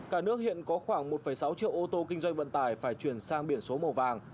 cả nước hiện có khoảng một sáu triệu ô tô kinh doanh vận tải phải chuyển sang biển số màu vàng